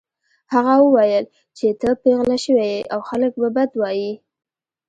هغه وویل چې ته پیغله شوې يې او خلک به بد وايي